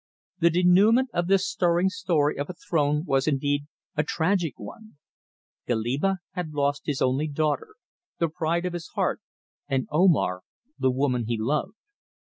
The dénouement of this stirring story of a throne was indeed a tragic one; Goliba had lost his only daughter, the pride of his heart, and Omar the woman he loved.